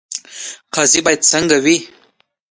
قاضي باید څنګه وي؟